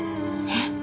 えっ！？